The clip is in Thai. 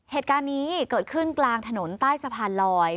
เหตุการณ์นี้เกิดขึ้นกลางถนนใต้สะพานลอย